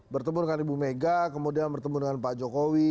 bertemu dengan ibu mega kemudian bertemu dengan pak jokowi